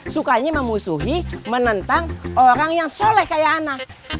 sukanya memusuhi menentang orang yang soleh kayak anak